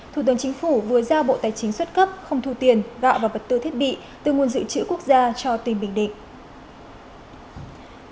thủ tướng chính phủ vừa giao bộ tài chính xuất cấp không thu tiền gạo và vật tư thiết bị từ nguồn dự trữ quốc gia cho tỉnh bình định